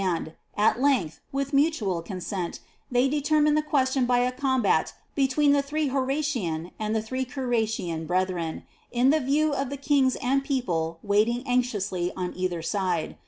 mand, at length with mutual consent they de termined the question by a combat between the three Horatian and the three Curiatian brethren, in the view of the kings and people waiting anxiously on either side.